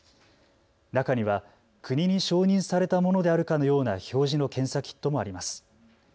中には国に承認されたものであるかのような表示の検査キットもあります。